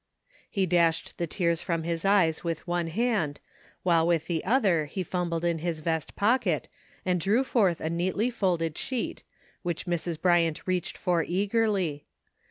He dashed the tears from his eyes with one hand, while with the other he fumbled in his vest pocket and drew forth a neatly folded sheet, which Mrs. Bryant reached for eagerly.